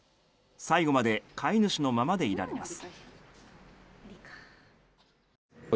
最後まで飼い主のままでいられます。